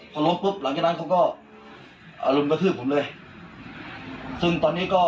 พอล้มปุ๊บหลังจากนั้นเขาก็อ่ารุมกระทืบผมเลยซึ่งตอนนี้ก็